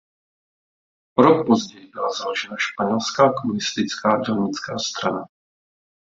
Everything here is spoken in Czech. O rok později byla založena "Španělská komunistická dělnická strana".